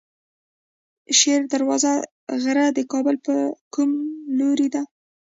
شیر دروازه غر د کابل په کوم لوري دی؟